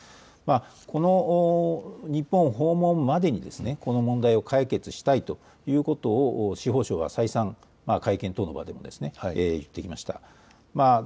この日本訪問までに、この問題を解決したいということを司法相は再三、会見で言っていました。